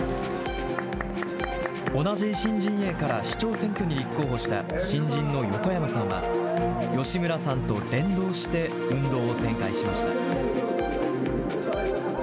同じ維新陣営から市長選挙に立候補した新人の横山さんは、吉村さんと連動して運動を展開しました。